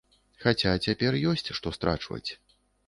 Хаця цяпер ёсць што страчваць.